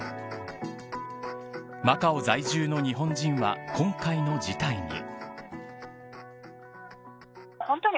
マカオ在住の日本人は今回の事態に。